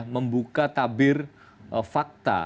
membuka tabir fakta